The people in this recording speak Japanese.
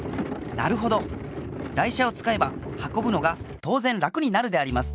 なるほど台車をつかえばはこぶのがとうぜん楽になるであります。